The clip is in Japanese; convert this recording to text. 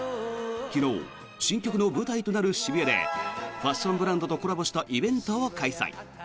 昨日、新曲の舞台となる渋谷でファッションブランドとコラボしたイベントを開催。